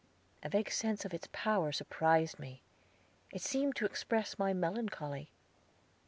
A vague sense of its power surprised me; it seemed to express my melancholy.